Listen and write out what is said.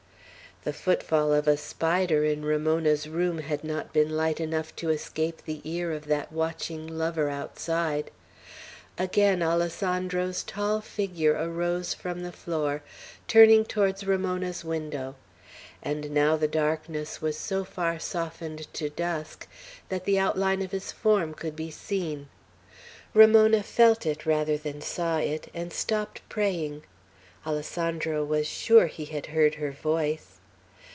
The footfall of a spider in Ramona's room had not been light enough to escape the ear of that watching lover outside. Again Alessandro's tall figure arose from the floor, turning towards Ramona's window; and now the darkness was so far softened to dusk, that the outline of his form could be seen. Ramona felt it rather than saw it, and stopped praying. Alessandro was sure he had heard her voice.